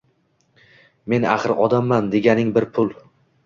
«Men axir odamman» deganing bir pul…